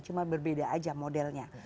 cuma berbeda aja modelnya